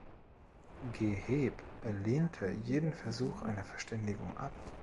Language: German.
Geheeb lehnte jeden Versuch einer Verständigung ab.